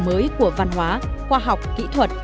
mới của văn hóa khoa học kỹ thuật